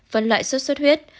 phần loại suốt suốt huyết